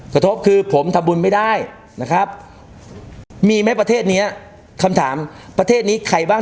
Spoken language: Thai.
กระทบคือผมทำบุญไม่ได้นะครับมีไหมประเทศเนี้ยคำถามประเทศนี้ใครบ้าง